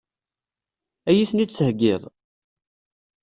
Ad iyi-ten-id-theggiḍ?